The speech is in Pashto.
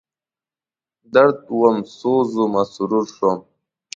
درد وم، سوز ومه، سرور شوم